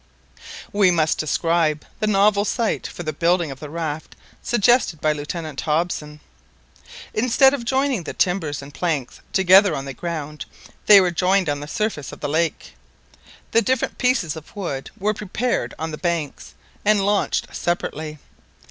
We must describe the novel site for the building of the raft suggested by Lieutenant Hobson. Instead of joining the timbers and planks together on the ground, they were joined on the surface of the lake. The different pieces of wood were prepared on the banks, and launched separately.